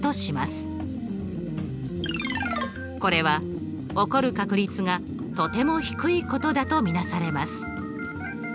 これは起こる確率がとても低いことだと見なされます。